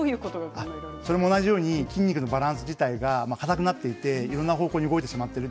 同じように筋肉のバランスが硬くなっていっていろんな方向に動いてしまっています。